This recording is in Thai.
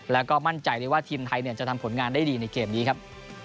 แล้วก็มั่นใจได้ว่าทีมไทยจะทำผลงานได้ดีในเกมนี้ครับ